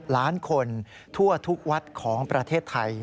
ล้านคนทั่วทุกวัดของประเทศไทย